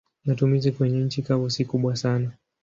Matumizi kwenye nchi kavu si kubwa sana.